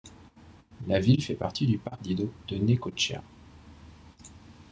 La ville fait partie du partido de Necochea.